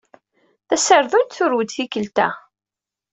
Tasardunt turew-d tikelt-a.